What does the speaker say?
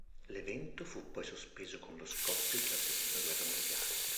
L'evento fu poi sospeso con lo scoppio della seconda guerra mondiale.